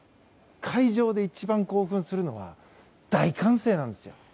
会場で一番興奮するのは大歓声なんですよ。